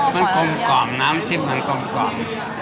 มันกลมกล่อมน้ำจิ้มมันกลม